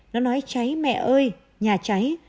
nó nói cháy mẹ ơi nhà cháy